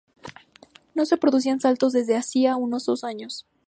No se producían saltos desde hacía unos dos años.